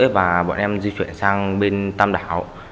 và bọn em di chuyển sang bên tam đảo